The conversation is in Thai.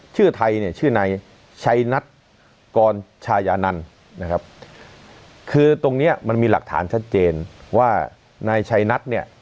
ชื่อไทยชื่อนายชัยนัทกรชายานันคือตรงนี้มันมีหลักฐานชัดเจนว่านายชัยนัท